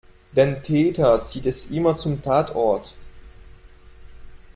Den Täter zieht es immer zum Tatort.